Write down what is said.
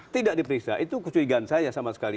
tidak diperiksa itu kecurigaan saya sama sekali